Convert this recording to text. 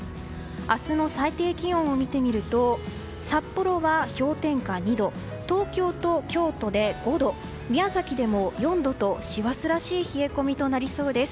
明日の最低気温を見てみると札幌は氷点下２度東京と京都で５度宮崎でも４度と師走らしい冷え込みとなりそうです。